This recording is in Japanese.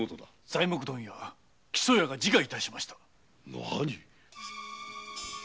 材木問屋・木曽屋が自害致しました。